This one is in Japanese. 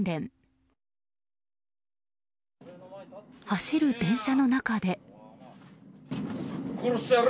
走る電車の中で。